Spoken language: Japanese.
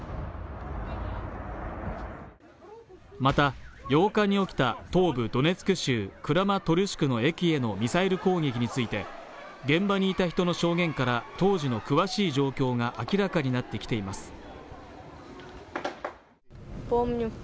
また、８日に起きた東部ドネツク州クラマトルシクの駅へのミサイル攻撃について、現場にいた人の証言から当時の詳しい状況が明らかになってきています。